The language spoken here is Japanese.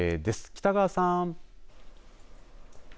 北川さん。